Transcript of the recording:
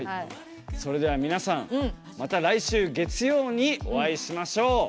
それでは皆さんまた来週月曜にお会いしましょう。